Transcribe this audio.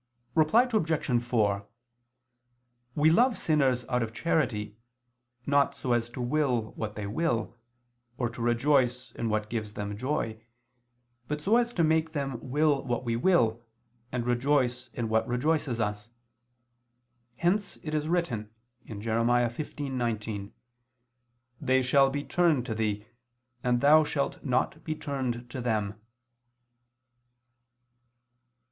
Reply Obj. 4: We love sinners out of charity, not so as to will what they will, or to rejoice in what gives them joy, but so as to make them will what we will, and rejoice in what rejoices us. Hence it is written (Jer. 15:19): "They shall be turned to thee, and thou shalt not to be turned to them."